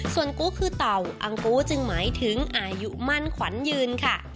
ส่วนกูคือเต่าอังกูจึงหมายถึงอายุมั่นขวัญยืนค่ะ